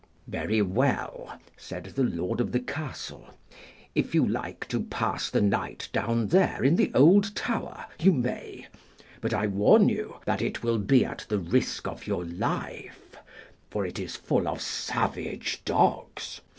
'Very well,' said the Lord of the castle. 'If you like to pass the night down there in the old tower, you may; but I warn you that it will be at the risk of your life, for it is full of savage dogs.